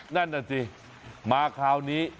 นั่นน่ะสิมาคราวนี้